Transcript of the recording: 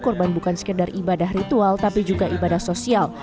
korban bukan sekedar ibadah ritual tapi juga ibadah sosial